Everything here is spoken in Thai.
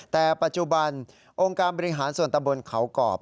แต่ปัจจุบันองค์การบริหารส่วนตำบลเขากรอบ